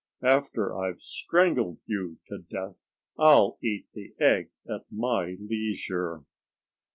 After I've strangled you to death, I'll eat the egg at my leisure."